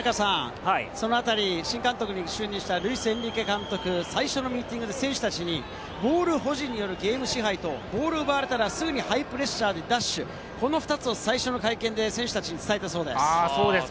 そのあたり、新監督に就任したルイス・エンリケ監督、最初のミーティングで選手たちにボール保持によるゲーム支配とボールを奪われたらすぐにハイプレッシャーで奪取、この２つを最初の会見で選手たちに伝えたそうです。